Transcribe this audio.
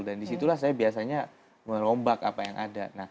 dan disitulah saya biasanya merombak apa yang ada